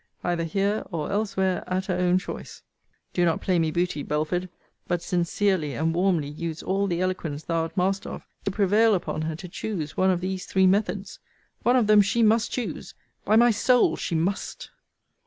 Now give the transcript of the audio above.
either here or elsewhere, at her own choice. Do not play me booty, Belford; but sincerely and warmly use all the eloquence thou art master of, to prevail upon her to choose one of these three methods. One of them she must choose by my soul, she must.